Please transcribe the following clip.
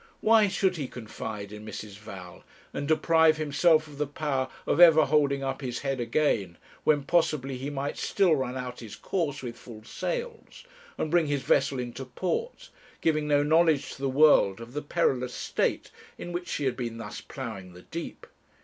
Why should he confide in Mrs. Val, and deprive himself of the power of ever holding up his head again, when, possibly, he might still run out his course with full sails, and bring his vessel into port, giving no knowledge to the world of the perilous state in which she had been thus ploughing the deep?